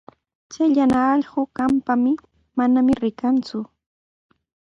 Chay yana allqu qamprami, manami rikanku.